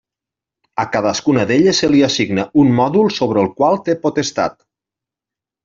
A cadascuna d'elles se li assigna un mòdul sobre el qual té potestat.